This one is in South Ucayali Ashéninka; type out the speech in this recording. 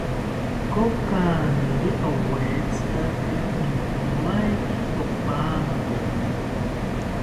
Kokaniria owetzikakiro intomaeki opankoki